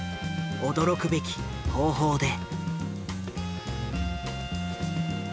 驚くべき方法で。